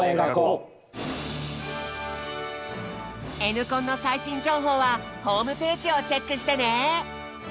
「Ｎコン」の最新情報はホームページをチェックしてね！